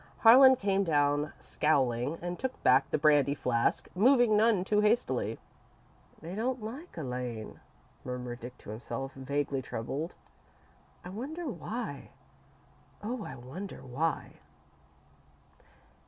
Harlan came down, scowling, and took back the brandy flask, moving none too hastily. "They don't like Elaine," murmured Dick to himself, vaguely troubled. "I wonder why oh, I wonder why!"